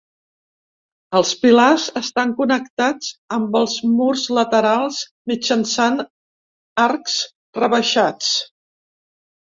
Els pilars estan connectats amb els murs laterals mitjançant arcs rebaixats.